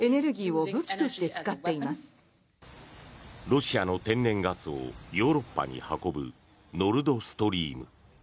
ロシアの天然ガスをヨーロッパに運ぶノルド・ストリーム。